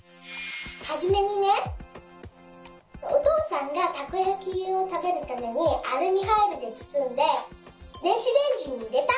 はじめにねおとうさんがたこやきをたべるためにアルミホイルでつつんででんしレンジにいれたんだよ。